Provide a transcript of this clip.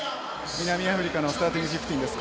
南アフリカのスターティングフィフティーンです。